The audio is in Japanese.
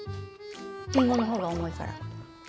リンゴの方が重いから。